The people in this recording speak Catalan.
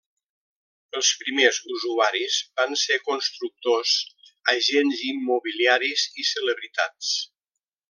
Els primers usuaris van ser Constructors, agents immobiliaris i celebritats.